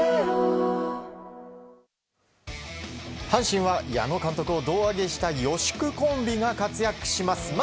阪神は矢野監督を胴上げした予祝コンビが活躍します。